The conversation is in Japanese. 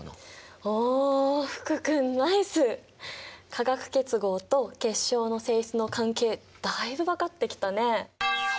化学結合と結晶の性質の関係だいぶ分かってきたね。